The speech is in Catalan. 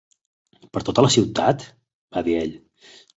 "Per tota la ciutat?" va dir ell.